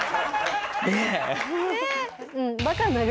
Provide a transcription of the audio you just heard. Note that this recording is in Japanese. ねえ。